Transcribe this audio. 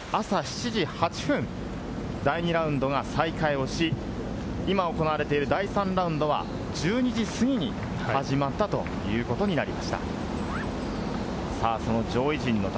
そしてきょうの朝７時８分、第２ラウンドが再開をし、今、行われている第３ラウンドは１２時過ぎに始まったということになりました。